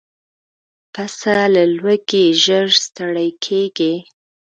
پسه له لوږې ژر ستړی کېږي.